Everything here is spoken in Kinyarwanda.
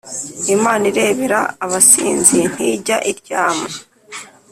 Imana irebera abasinzi ntijya iryama